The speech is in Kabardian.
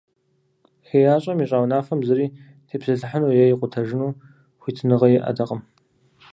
ХеящӀэм ищӀа унафэм зыри тепсэлъыхьыну е икъутэжыну хуитыныгъэ иӀэтэкъым.